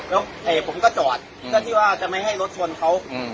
แล้วเอกผมก็จอดอืมก็ที่ว่าจะไม่ให้รถชนเขาอืม